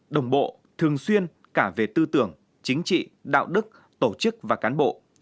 đồng bộ thường xuyên cả về tư tưởng chính trị đạo đức tổ chức và cán bộ